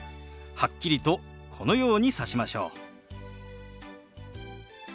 はっきりとこのようにさしましょう。